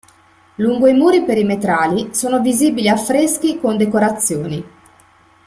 Lungo i muri perimetrali sono visibili affreschi con decorazioni.